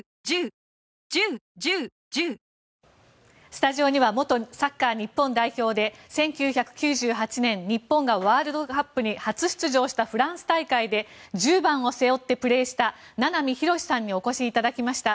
スタジオには元サッカー日本代表で１９９８年日本がワールドカップに初出場したフランス大会で１０番を背負ってプレーした名波浩さんにお越しいただきました。